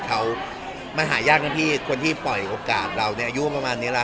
เขามันหายากนะพี่คนที่ปล่อยโอกาสเราในอายุประมาณนี้แล้ว